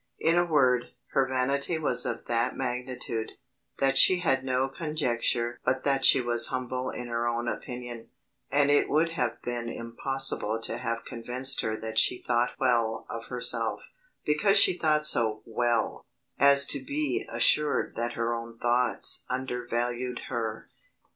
In a word, her vanity was of that magnitude, that she had no conjecture but that she was humble in her own opinion; and it would have been impossible to have convinced her that she thought well of herself, because she thought so well, as to be assured that her own thoughts undervalued her.